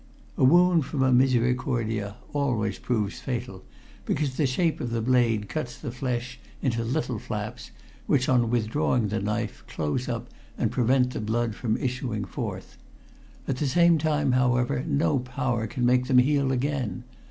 A wound from a misericordia always proves fatal, because the shape of the blade cuts the flesh into little flaps which, on withdrawing the knife, close up and prevent the blood from issuing forth. At the same time, however, no power can make them heal again.